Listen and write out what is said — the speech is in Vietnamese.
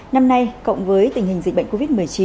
năm nay cộng với tình hình dịch bệnh covid một mươi chín